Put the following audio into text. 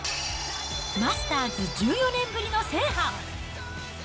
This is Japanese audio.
マスターズ１４年ぶりの制覇。